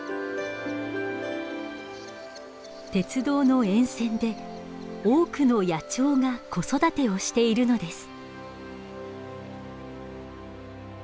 鉄道の沿線で多くの野鳥が子育てをしているのです。